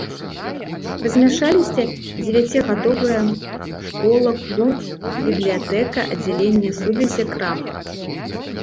Размяшчаліся дзевяцігадовая школа, клуб, бібліятэка, аддзяленне сувязі, крама.